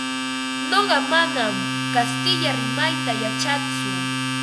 Nuqa manam kastilla rimayta yachatsu.